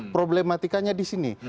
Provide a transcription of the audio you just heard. problematikanya di sini